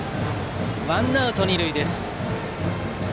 ワンアウト、二塁です。